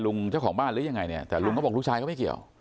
ลุงเจ้าของบ้านยังไงแต่ลุงบอกลูกชายก็ไม่เกี่ยว